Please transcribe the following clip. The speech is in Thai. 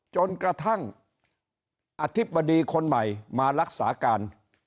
จนกระทั่งอธิบดีคนใหม่มารักษาการ